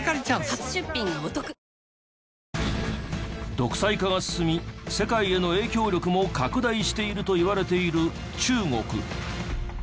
独裁化が進み世界への影響力も拡大しているといわれている中国。